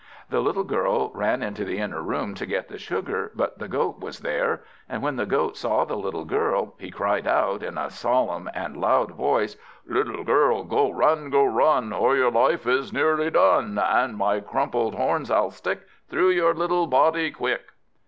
The little girl ran into the inner room to get the sugar, but the Goat was there. And when the Goat saw the little girl, he cried out, in a solemn and loud voice "Little girl, go run, go run, Or your life is nearly done! And my crumpled horns I'll stick Through your little body quick!"